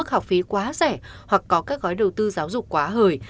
học phí quá rẻ hoặc có các gói đầu tư giáo dục quá hời